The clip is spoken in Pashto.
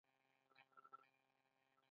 د حکمران کار څنګه شو، پایله یې څه شوه.